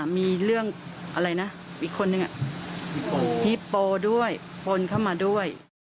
มีเรื่องอะไรนะอีกคนนึงฮิปโปด้วยพลเข้ามาด้วย